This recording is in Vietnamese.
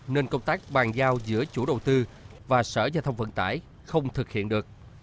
nên công tác bàn giao giữa chủ đầu tư và sở giao thông vận tải không thực hiện được